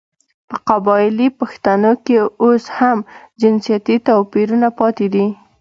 په قبايلي پښتانو کې اوس هم جنسيتي تواپيرونه پاتې دي .